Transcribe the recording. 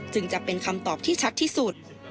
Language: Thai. จึงจะเป็นคำตอบที่ชัดที่สุด